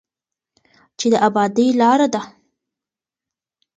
چې د ابادۍ لاره ده.